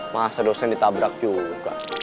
masa dosen ditabrak juga